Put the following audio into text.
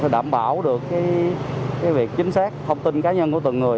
đảm bảo được việc chính xác thông tin cá nhân của từng người